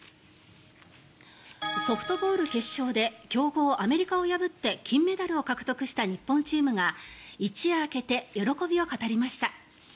ソフトボール決勝で強豪アメリカを破って金メダルを獲得した日本チームが一夜明けて喜びを語りました。